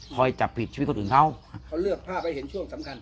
จับผิดชีวิตคนอื่นเขาเขาเลือกภาพให้เห็นช่วงสำคัญ